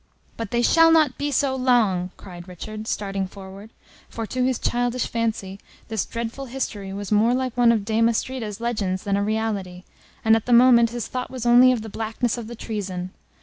"But they shall not be so long!" cried Richard, starting forward; for to his childish fancy this dreadful history was more like one of Dame Astrida's legends than a reality, and at the moment his thought was only of the blackness of the treason.